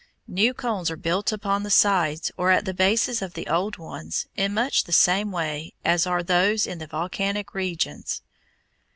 New cones are built upon the sides or at the bases of the old ones in much the same way as are those in the volcanic regions.